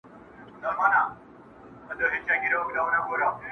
عاقبت به یې په غوښو تود تنور وي,